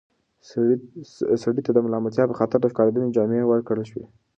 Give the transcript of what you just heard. سړي ته د ملامتیا په خاطر د ښکاریانو جامې ورکړل شوې.